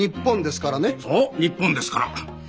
そう日本ですから。